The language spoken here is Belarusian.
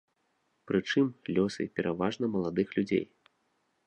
Прычым, лёсы пераважна маладых людзей.